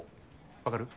分かる？